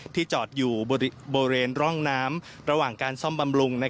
จอดอยู่บริเวณร่องน้ำระหว่างการซ่อมบำรุง